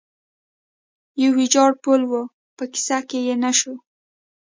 یو ویجاړ پل و، په کیسه کې یې نه شو.